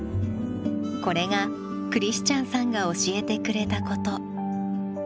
これがクリスチャンさんが教えてくれたこと。